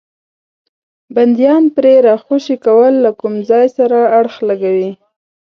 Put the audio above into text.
بندیان پرې راخوشي کول له کوم ځای سره اړخ لګوي.